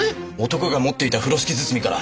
男が持っていた風呂敷包みから。